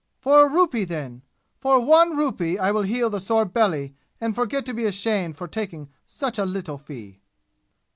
For a rupee, then for one rupee I will heal the sore belly and forget to be ashamed for taking such a little fee!"